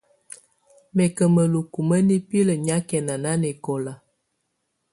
Mɛ̀ kà mǝluku ma nipilǝ nyàkɛna nanɛkɔlà.